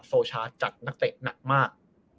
โซชาจัดนักเตะหนักมาก